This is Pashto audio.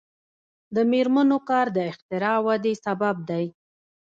د میرمنو کار د اختراع ودې سبب دی.